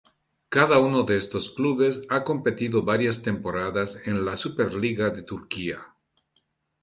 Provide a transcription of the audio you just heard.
Cada uno de estos clubes ha competido varias temporadas en la Superliga de Turquía.